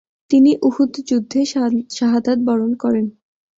তিনি উহুদ যুদ্ধে শাহাদাত বরণ করে।